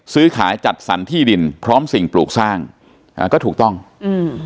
ซื้อขายจัดสรรที่ดินพร้อมสิ่งปลูกสร้างอ่าก็ถูกต้องอืม